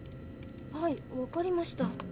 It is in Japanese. はいわかりました。